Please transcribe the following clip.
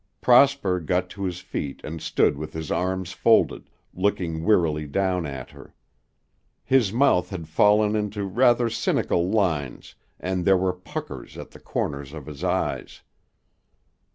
Prosper got to his feet and stood with his arms folded, looking wearily down at her. His mouth had fallen into rather cynical lines and there were puckers at the corners of his eyes.